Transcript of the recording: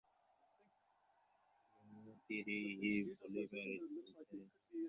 Momo, Thiri, Eve আর Oliver school ছেড়ে দিল।